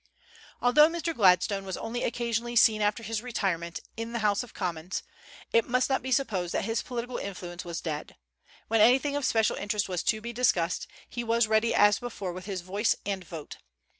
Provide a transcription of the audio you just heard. Although Mr. Gladstone was only occasionally seen, after his retirement, in the House of Commons, it must not be supposed that his political influence was dead. When anything of special interest was to be discussed, he was ready as before with his voice and vote.